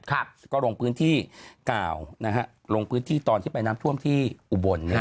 ก็ลงพื้นที่กล่าวนะฮะลงพื้นที่ตอนที่ไปน้ำท่วมที่อุบล